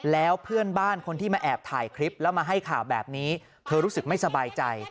แล้วเพื่อนบ้านคนที่มาแอบถ่ายคลิปแล้วมาให้ข่าวแบบนี้เธอรู้สึกไม่สบายใจ